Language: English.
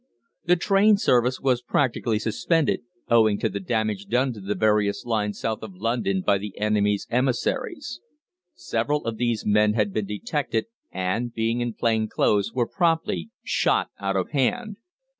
The train service was practically suspended, owing to the damage done to the various lines south of London by the enemy's emissaries. Several of these men had been detected, and, being in plain clothes, were promptly shot out of hand.